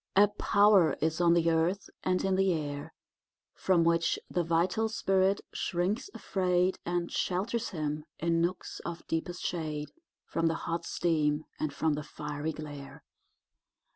A power is on the earth and in the air From which the vital spirit shrinks afraid, And shelters him, in nooks of deepest shade, From the hot steam and from the fiery glare.